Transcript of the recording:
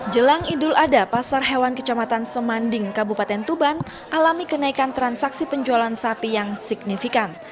jelang idul adha pasar hewan kecamatan semanding kabupaten tuban alami kenaikan transaksi penjualan sapi yang signifikan